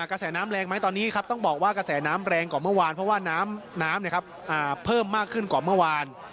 กระแสน้ำแรงไหมตอนนี้ครับต้องบอกว่ากระแสน้ำแรงกว่าเมื่อวานเพราะว่าน้ำเพิ่มมากขึ้นกว่าเมื่อวาน